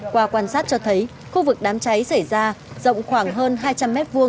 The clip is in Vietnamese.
qua quan sát cho thấy khu vực đám cháy xảy ra rộng khoảng hơn hai trăm linh m hai